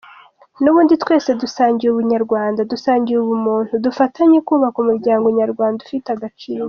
N’ubundi twese dusangiye ubunyarwanda, dusangiye ubumuntu, dufatanye kubaka umuryango nyarwanda ufite agaciro.